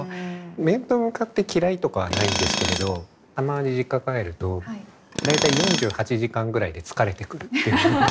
面と向かって嫌いとかはないんですけれどたまに実家帰ると大体４８時間ぐらいで疲れてくるっていう。